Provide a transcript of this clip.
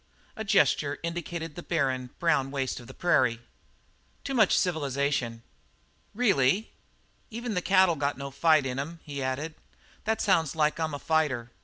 A gesture indicated the barren, brown waste of prairie. "Too much civilization." "Really?" "Even the cattle got no fight in 'em." He added, "That sounds like I'm a fighter.